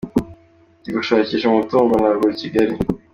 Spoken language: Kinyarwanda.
Ndi gushakisha umutungo nagura i Kigali.